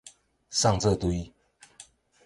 送做堆